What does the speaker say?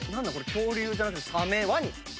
恐竜じゃなくてサメワニ！